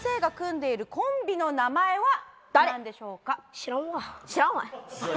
知らんわ。